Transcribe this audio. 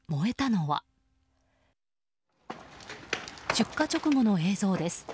出火直後の映像です。